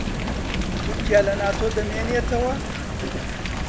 تورکیا لە ناتۆ دەمێنێتەوە؟